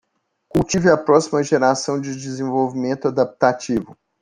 Cultive a próxima geração de desenvolvimento adaptativo